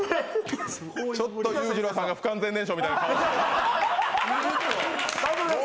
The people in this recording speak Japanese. ちょっと勇次郎さんが不完全燃焼みたいな顔を。